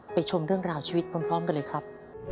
ชมเรื่องราวชีวิตพร้อมกันเลยครับ